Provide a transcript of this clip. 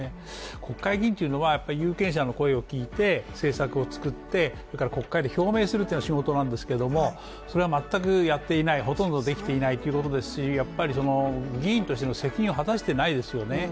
国会議員というのは有権者の声を聞いて政策を作ってそれから国会で表明するというのが仕事なんですけれどもそれが全くやっていない、ほとんどできていないということですしやっぱり議員としての責任を果たしていないですよね。